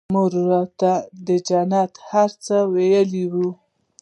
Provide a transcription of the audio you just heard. مور راته د جنت هر څه ويلي وو.